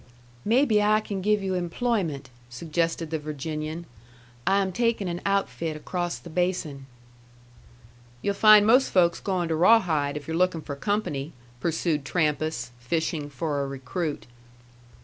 "Maybe I can give you employment," suggested the Virginian. "I am taking an outfit across the basin." "You'll find most folks going to Rawhide, if you're looking for company," pursued Trampas, fishing for a recruit.